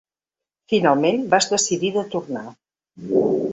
Finalment vas decidir de tornar.